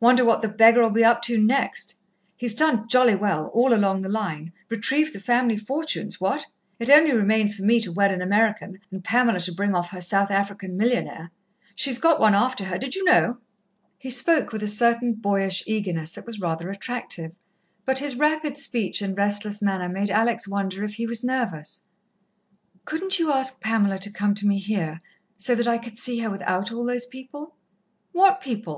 Wonder what the beggar'll be up to next? He's done jolly well, all along the line retrieved the family fortunes, what? It only remains for me to wed an American, and Pamela to bring off her South African millionaire. She's got one after her, did you know?" He spoke with a certain boyish eagerness that was rather attractive, but his rapid speech and restless manner made Alex wonder if he was nervous. "Couldn't you ask Pamela to come to me here, so that I could see her without all those people?" "What people?